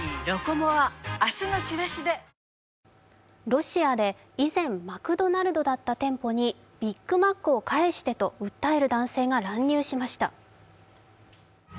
ロシアで、以前マクドナルドだった店舗にビッグマックを返してと訴える男性が乱入しました。